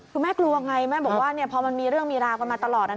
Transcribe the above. คือแม่กลัวไงแม่บอกว่าพอมันมีเรื่องมีราวกันมาตลอด